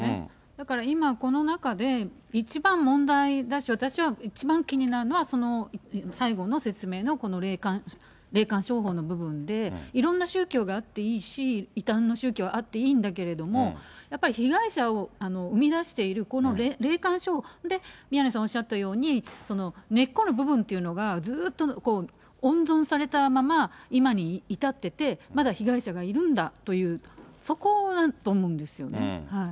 だから、今この中で、一番問題だし、私は一番気になるのは、その最後の説明の、この霊感商法の部分で、いろんな宗教があっていいし、異端の宗教あっていいんだけれども、やっぱり被害者を生み出している、この霊感商法、宮根さんおっしゃったように、根っこの部分っていうのが、ずっと温存されたまま、今に至ってて、まだ被害者がいるんだという、そこだと思うんですよね。